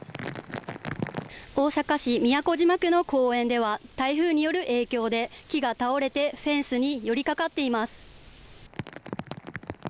大阪市都島区の公園では、台風による影響で、木が倒れて、フェンスによりかかっています。